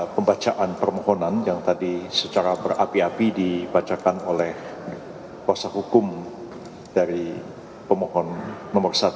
pembacaan permohonan yang tadi secara berapi api dibacakan oleh kuasa hukum dari pemohon nomor satu